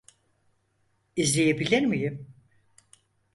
İzleyebilir miyim?